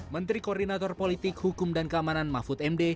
menteri koordinator politik hukum dan keamanan mahfud md